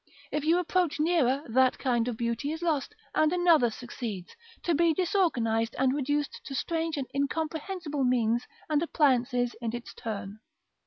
If you approach nearer, that kind of beauty is lost, and another succeeds, to be disorganised and reduced to strange and incomprehensible means and appliances in its turn.